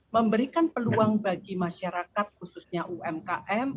memberikan peluang bagi masyarakat khususnya umkm